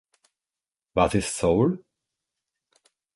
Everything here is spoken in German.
Was ist Soul?